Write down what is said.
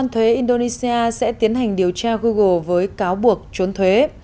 thuế indonesia sẽ tiến hành điều tra google với cáo buộc trốn thuế